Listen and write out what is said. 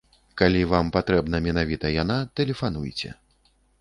Калі вам патрэбна менавіта яна, тэлефануйце!